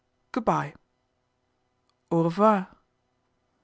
" Good bye." " Au revoir."